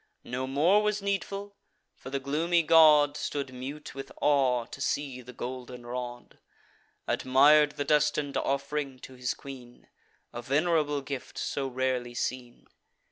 No more was needful: for the gloomy god Stood mute with awe, to see the golden rod; Admir'd the destin'd off'ring to his queen; A venerable gift, so rarely seen.